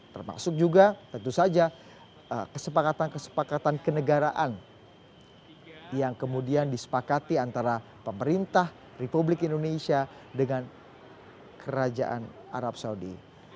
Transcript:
termasuk juga tentu saja kesepakatan kesepakatan kenegaraan yang kemudian disepakati antara pemerintah republik indonesia dengan kerajaan arab saudi